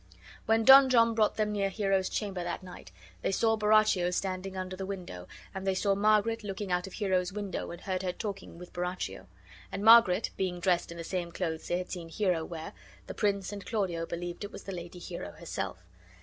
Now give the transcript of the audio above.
When Don John brought them near Hero's chamber that night, they saw Borachio standing under the window, and they saw Margaret looking out of Hero's window and heard her talking with Borachio; and Margaret being dressed in the same clothes they had seen Hero wear, the prince and Claudio believed it was the lady Hero herself.